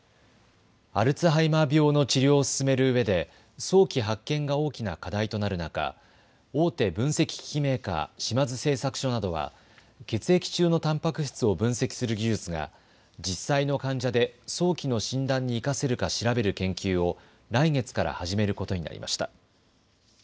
アルツハイマー病の治療を進めるうえで早期発見が大きな課題となる中、大手分析機器メーカー、島津製作所などは血液中のたんぱく質を分析する技術が実際の患者で早期の診断に生かせるか調べる研究を来月から始めることになりました。